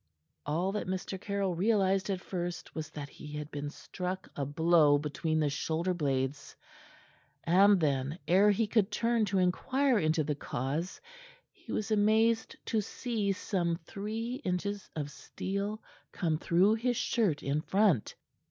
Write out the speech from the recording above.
All that Mr. Caryll realized at first was that he had been struck a blow between the shoulder blades; and then, ere he could turn to inquire into the cause, he was amazed to see some three inches of steel come through his shirt in front.